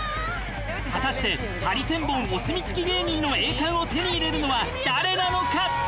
果たしてハリセンボンお墨付き芸人の栄冠を手に入れるのは誰なのか。